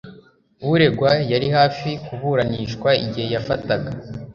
Uregwa yari hafi kuburanishwa igihe yafataga